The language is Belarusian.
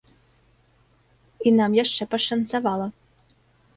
І нам яшчэ пашанцавала.